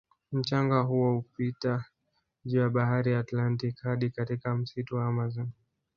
Mchanga huo hupita juu ya bahari Atlantic hadi katika msitu wa amazon